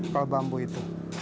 kalau bambu itu